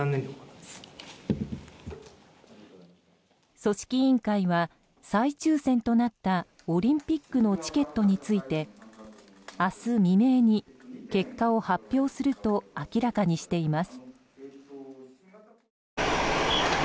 組織委員会は再抽選となったオリンピックのチケットについて明日未明に結果を発表すると明らかにしています。